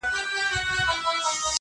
o ماهى چي نه نيسې، تر لکۍ ئې ټينگوه.